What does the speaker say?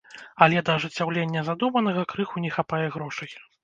Але да ажыццяўлення задуманага крыху не хапае грошай.